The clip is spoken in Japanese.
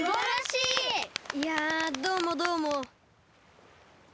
いやどうもどうも。